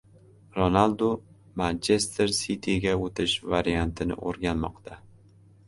Ronaldu «Manchester Siti»ga o‘tish variantini o‘rganmoqda